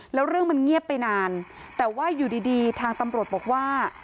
แล้วเรื่องมันเงียบไปนานแต่ว่าอยู่ดีทางตำรวจบอกว่า